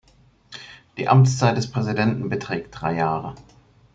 Die Amtszeit des Präsidenten beträgt drei Jahre.